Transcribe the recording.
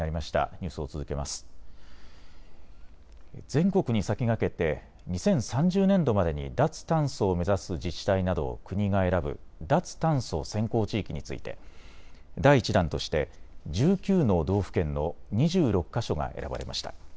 全国に先駆けて２０３０年度までに脱炭素を目指す自治体などを国が選ぶ脱炭素先行地域について第１弾として１９の道府県の２６か所が選ばれました。